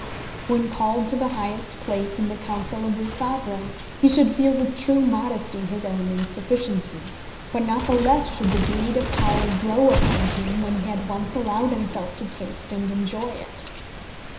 When called to the highest place in the council of his Sovereign, he should feel with true modesty his own insufficiency; but not the less should the greed of power grow upon him when he had once allowed himself to taste and enjoy it.